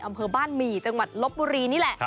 อำเภอบ้านหมี่จังหวัดลบบุรีนี่แหละ